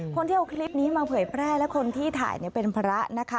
คนที่เอาคลิปนี้มาเผยแพร่และคนที่ถ่ายเป็นพระนะคะ